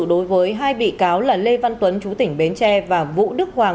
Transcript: đối với hai bị cáo là lê văn tuấn chú tỉnh bến tre và vũ đức hoàng